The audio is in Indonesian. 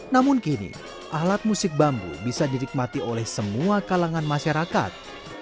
namun kini alat musik bambu bisa didikmati oleh semua kalangan masyarakat